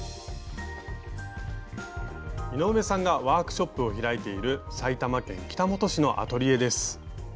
井上さんがワークショップを開いている埼玉県北本市のアトリエです。